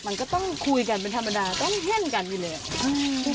มันก็ต้องคุยกันเป็นธรรมดาตั้งเท่นกันอยู่เลยอ่ะอืม